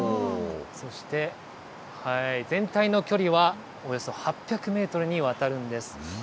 そして、全体の距離はおよそ８００メートルにわたるんです。